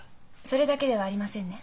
それだけではありませんね？